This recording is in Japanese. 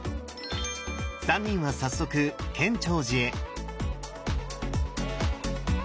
３人は早速建長寺へ。